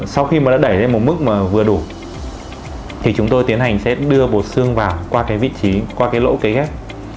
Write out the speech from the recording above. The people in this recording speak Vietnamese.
sau khi mà đã đẩy lên một mức mà vừa đủ thì chúng tôi tiến hành sẽ đưa bổ xương vào qua cái vị trí qua cái lỗ kế ghép